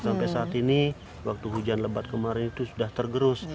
sampai saat ini waktu hujan lebat kemarin itu sudah tergerus